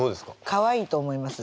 かわいいと思います。